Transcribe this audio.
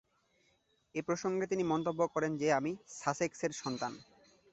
এ প্রসঙ্গে তিনি মন্তব্য করেন যে, আমি সাসেক্সের সন্তান।